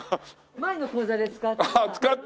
前の講座で使った。